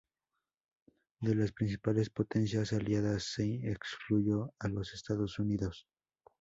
De las principales potencias aliadas se excluyó a los Estados Unidos.